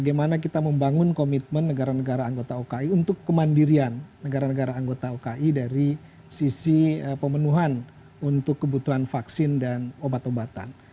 bagaimana kita membangun komitmen negara negara anggota oki untuk kemandirian negara negara anggota oki dari sisi pemenuhan untuk kebutuhan vaksin dan obat obatan